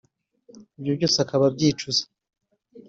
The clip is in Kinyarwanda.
ibyo byose akaba abyicuza